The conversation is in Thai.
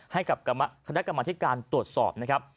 ให้กับคณะกรรมธิการตรวจสอบนะครับ